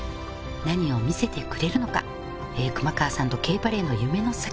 何を見せてくれるのか熊川さんとＫバレエの夢の先